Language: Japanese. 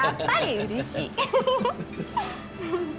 うれしい。